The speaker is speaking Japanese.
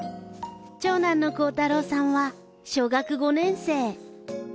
長男の煌太郎さんは小学５年生。